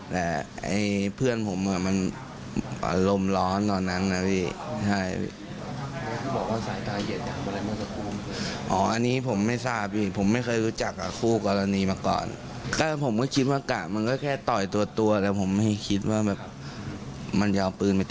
แต่เพื่อนผมเหลือลมร้อนต่อนั้น